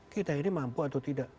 kita ini mampu atau tidak